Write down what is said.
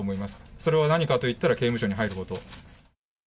それは何かといったら、刑務所に入ること。